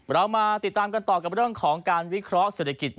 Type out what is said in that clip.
เรามาติดตามกันต่อกับเรื่องของการวิเคราะห์เศรษฐกิจ